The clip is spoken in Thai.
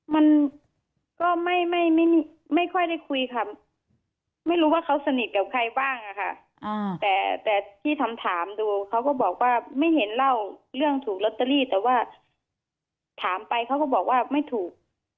มันก็ไม่ค่อยได้คุยค่ะไม่รู้ว่าเขาสนิทกับใครบ้างอะค่ะแต่ที่ทำถามดูเขาก็บอกว่าไม่เห็นเล่าเรื่องถูกลอตเตอรี่แต่ว่าถามไปเขาก็บอกว่าไม่ถูก